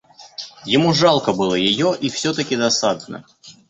Ему жалко было ее и все-таки досадно.